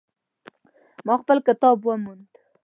ما خپل کتاب وموند